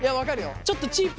ちょっとチープなもの